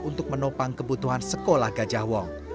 untuk menopang kebutuhan sekolah gajahwong